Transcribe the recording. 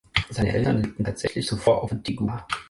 Seine Eltern lebten tatsächlich zuvor auf Antigua.